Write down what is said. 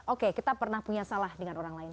oke kita pernah punya salah dengan orang lain